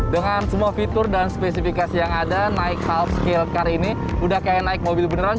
dengan semua fitur dan spesifikasi yang ada naik self scale car ini udah kayak naik mobil beneran